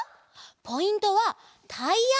ポイントはタイヤ！